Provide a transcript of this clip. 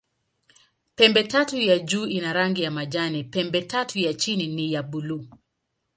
Pembetatu ya juu ina rangi ya majani, pembetatu ya chini ni ya buluu.